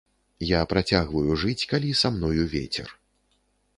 Я працягваю жыць, калі са мною вецер.